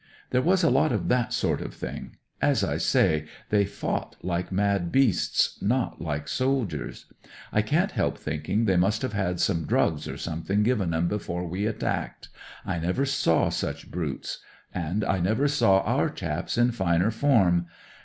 " There was a lot of that sort of thing. As I say, they fought like mad beasts, not like soldiers. I can't help thinking they must have had some drugs or something given 'em before we attacked — I never saw such brutes. And I never saw our chaps in finer form.